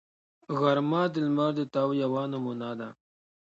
غرمه د لمر د تاو یوه نمونه ده